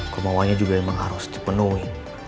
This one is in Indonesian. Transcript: kemauannya juga memang harus dipenuhi